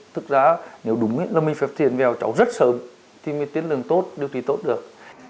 thực ra nếu đúng thì mình phải tiền vẹo cháu rất sớm thì mới tiến lường tốt điều trị tốt được